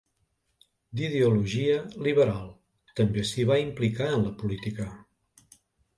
D'ideologia liberal, també s'hi va implicar en la política.